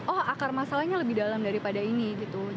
oh akar masalahnya lebih dalam daripada ini gitu